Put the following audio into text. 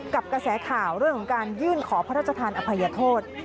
กระแสข่าวเรื่องของการยื่นขอพระราชทานอภัยโทษ